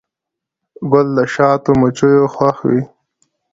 ګل د شاتو مچیو خوښ وي.